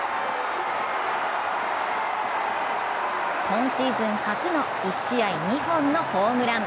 今シーズン初の１試合２本のホームラン。